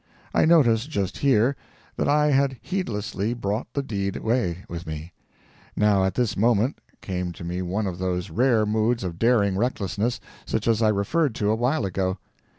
I noticed, just here, that I had heedlessly brought the deed away with me; now at this moment came to me one of those rare moods of daring recklessness, such as I referred to a while ago.